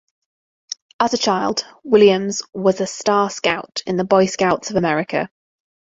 As a child, Williams was a Star Scout in the Boy Scouts of America.